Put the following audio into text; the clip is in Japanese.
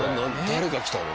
誰が来たの？